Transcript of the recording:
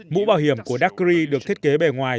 mũ bảo hiểm của dakri được thiết kế bề ngoài